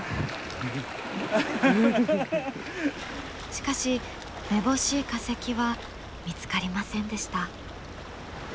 しかしめぼしい化石は見つかりませんでした。